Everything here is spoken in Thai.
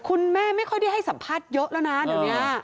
ไม่ค่อยได้ให้สัมภาษณ์เยอะแล้วนะเดี๋ยวนี้